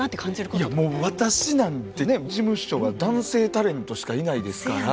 いやもう私なんて事務所が男性タレントしかいないですから。